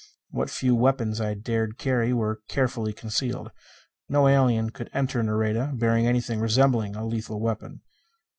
What few weapons I dared carry were carefully concealed. No alien could enter Nareda bearing anything resembling a lethal weapon.